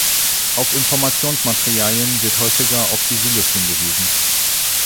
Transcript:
Auf Informationsmaterialien wird häufiger auf die Silos hingewiesen.